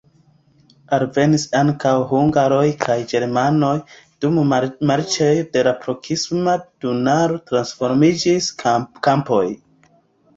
Alvenis ankaŭ hungaroj kaj germanoj, dume marĉoj de la proksima Danubo transformiĝis kampoj.